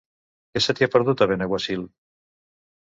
Què se t'hi ha perdut, a Benaguasil?